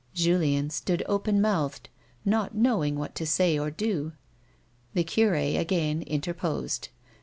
Julien stood open mouthed, not knowing what to say or do. The cure again interposed.